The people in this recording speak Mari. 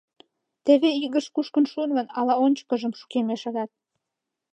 Теве игышт кушкын шуыт гын, ала ончыкыжым шукемешат...